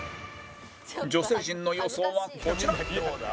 女性陣の予想はこちら